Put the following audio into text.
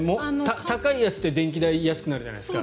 高いやつって電気代が安くなるじゃないですか。